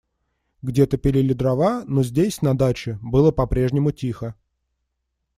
Где-то пилили дрова, но здесь, на даче, было по-прежнему тихо.